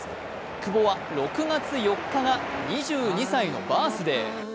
久保は６月４日が２２歳のバースデー。